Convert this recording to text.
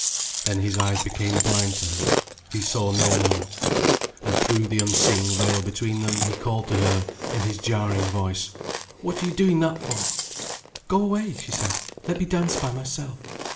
Then his eyes became blind to her, he saw her no more. And through the unseeing veil between them he called to her, in his jarring voice: "What are you doing that for?" "Go away," she said. "Let me dance by myself."